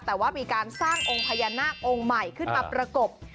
แต่ว่ามีการสร้างองค์พญานาคองค์ใหม่ขึ้นมาประกบ